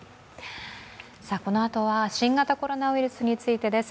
このあとは新型コロナウイルスについてです。